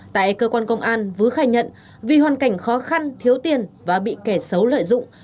tại cơ quan công an vứ khai nhận vì hoàn cảnh khó khăn thiếu tiền và bị kẻ xấu lợi dụng